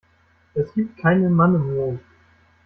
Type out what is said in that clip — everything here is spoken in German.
Es gibt keinen Mann im Mond.